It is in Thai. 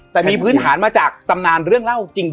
แต่มีพื้นฐานมาจากตำนานเรื่องเล่าจริง